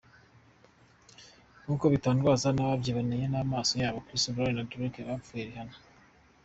Nk’uko bitangazwa n’ababyiboneye n’amaso yabo, Chris Brown na Drake bapfuye Rihanna.